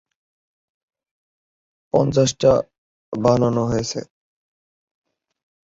পঞ্চাশটা বানানো হয়েছে।